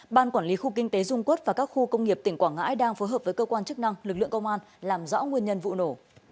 ban quản lý khu kinh tế dung quốc và các khu công nghiệp tỉnh quảng ngãi đang phối hợp với cơ quan chức năng lực lượng công an làm rõ nguyên nhân vụ nổ